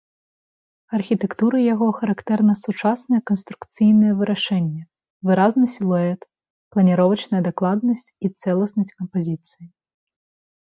Архітэктуры яго характэрна сучаснае канструкцыйнае вырашэнне, выразны сілуэт, планіровачная дакладнасць і цэласнасць кампазіцыі.